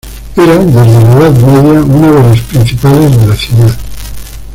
Era, desde la Edad Media, una de las principales de la ciudad.